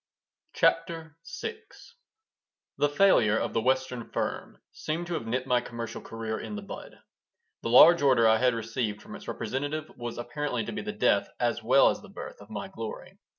CHAPTER VI THE failure of the Western firm seemed to have nipped my commercial career in the bud. The large order I had received from its representative was apparently to be the death as well as the birth of my glory.